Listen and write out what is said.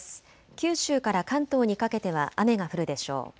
九州から関東にかけては雨が降るでしょう。